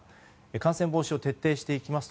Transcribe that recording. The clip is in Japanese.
感染防止を徹底してまいります。